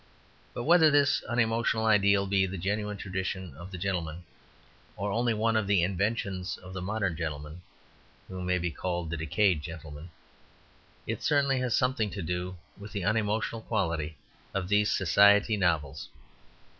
But whether this unemotional ideal be the genuine tradition of the gentleman, or only one of the inventions of the modern gentleman (who may be called the decayed gentleman), it certainly has something to do with the unemotional quality in these society novels.